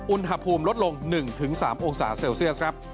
อุณหภูมิลดลง๑๓องศาเซลเซียสครับ